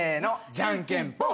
じゃんけんぽん。